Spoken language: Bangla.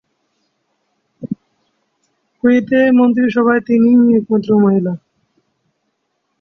কুয়েতে মন্ত্রীসভায় তিনিই একমাত্র মহিলা।